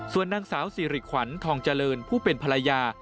ส่วนนางสาวสิริขวัญทองเจริญผู้เป็นภรรยา